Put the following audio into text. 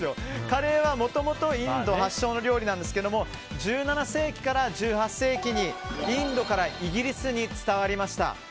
カレーはもともとインド発祥の料理なんですけども１７世紀から１８世紀にインドからイギリスに伝わりました。